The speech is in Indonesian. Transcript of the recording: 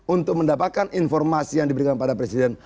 untuk mendapatkan informasi yang diberikan pada presiden